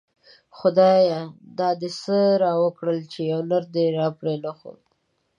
خدايه دا دی څه راوکړه ;چی يو نر دی راپری نه ښود